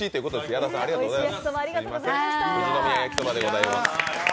矢田さん、ありがとうございます。